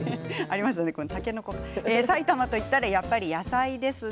埼玉といったらやっぱり野菜ですね。